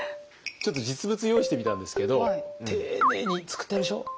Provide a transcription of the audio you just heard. ちょっと実物用意してみたんですけど丁寧に作ってあるでしょう？